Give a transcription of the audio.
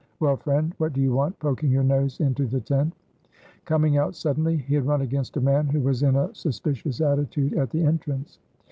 Well, friend, what do you want, poking your nose into the tent?" Coming out suddenly he had run against a man who was in a suspicious attitude at the entrance.